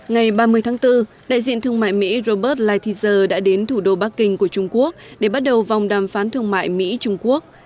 ngày ba mươi tháng bốn đại diện thương mại mỹ robert lighthizer đã đến thủ đô bắc kinh của trung quốc để bắt đầu vòng đàm phán thương mại mỹ trung quốc